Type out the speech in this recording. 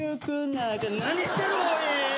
何してるんおい！